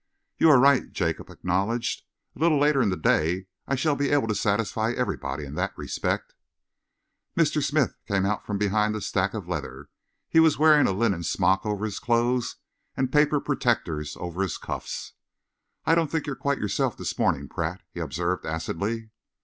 "You are right," Jacob acknowledged. "A little later in the day I shall be able to satisfy everybody in that respect." Mr. Smith came out from behind the stack of leather. He was wearing a linen smock over his clothes and paper protectors over his cuffs. "I don't think you're quite yourself this morning, Pratt," he observed acidly.